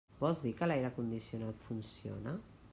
Vols dir que l'aire condicionat funciona?